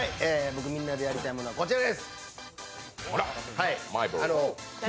みんなでやりたいものはこちら。